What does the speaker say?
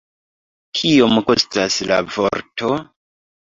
Kiom kostas la vorto?